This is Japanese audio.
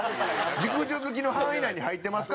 熟女好きの範囲内に入ってますか？